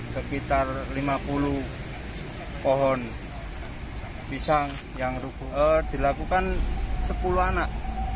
sekitar lima puluh pohon pisang yang dilakukan sepuluh anak